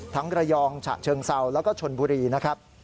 ระยองฉะเชิงเซาแล้วก็ชนบุรีนะครับ